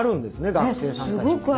学生さんたちもね。